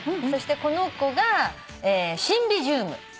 そしてこの子がシンビジウム。